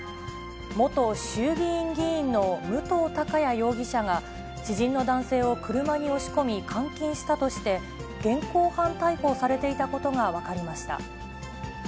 元衆議院議員の武藤貴也容疑者が、知人の男性を車に押し込み、監禁したとして、現行犯逮捕されていたことが分かりました。